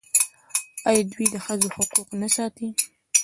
آیا دوی د ښځو حقوق نه ساتي؟